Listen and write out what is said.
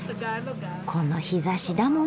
この日ざしだもんな。